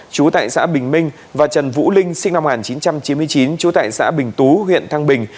chú tại xã bình minh và trần vũ linh sinh năm một nghìn chín trăm chín mươi chín trú tại xã bình tú huyện thăng bình